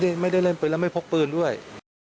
ไม่ได้เล่นปืนแล้วไม่พกปืนด้วย